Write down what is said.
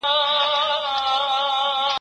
اورېدلې مي په کور کي له کلو ده